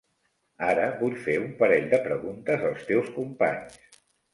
Ara vull fer un parell de preguntes als teus companys.